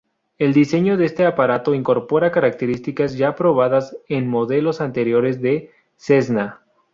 El diseño de este aparato incorpora características ya probadas en modelos anteriores de Cessna.